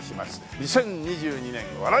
２０２２年笑い